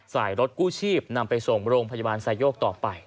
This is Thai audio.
รถกู้ชีพนำไปส่งโรงพยาบาลไซโยกต่อไป